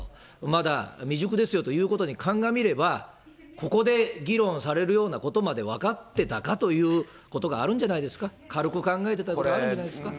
まだ未熟ですよということに鑑みれば、ここで議論されるようなことまで分かってたかということがあるんじゃないですか、軽く考えてたところあるんじゃないですか。